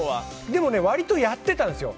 でも、割とやっていたんですよ。